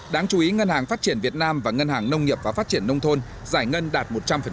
đáng chú ý ngân hàng phát triển việt nam và ngân hàng nông nghiệp và phát triển nông thôn giải ngân đạt một trăm linh